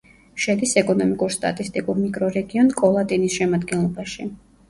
შედის ეკონომიკურ-სტატისტიკურ მიკრორეგიონ კოლატინის შემადგენლობაში.